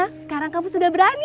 sekarang kamu sudah berani